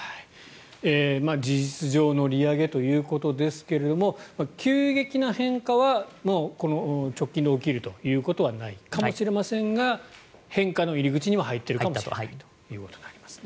事実上の利上げということですが急激な変化は直近で起きるということはないかもしれませんが変化の入り口には入っているかもしれないということになりますね。